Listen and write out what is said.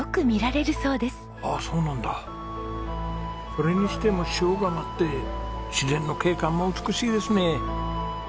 それにしても塩竈って自然の景観も美しいですね。